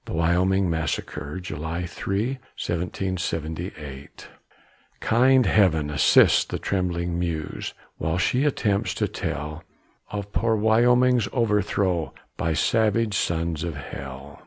THE WYOMING MASSACRE [July 3, 1778] Kind Heaven, assist the trembling muse, While she attempts to tell Of poor Wyoming's overthrow By savage sons of hell.